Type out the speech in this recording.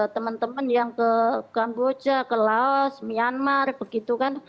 teman teman yang ke kamboja ke laos myanmar begitu kan